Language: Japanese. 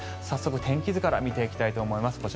早速、天気図から見ていきたいと思います。